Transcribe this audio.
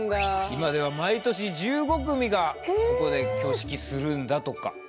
今では毎年１５組がここで挙式するんだとか。